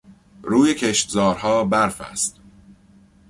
روی کشتزارها برف است.